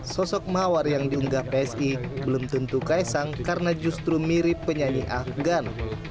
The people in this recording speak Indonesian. sosok mawar yang diunggah psi belum tentu kaisang karena justru mirip penyanyi afgan